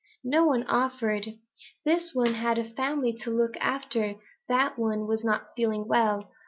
"No one offered. This one had a family to look after. That one was not feeling well.